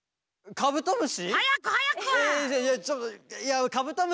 カブトムシ！